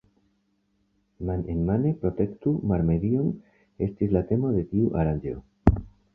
Man-en-mane protektu mar-medion estis la temo de tiu aranĝo.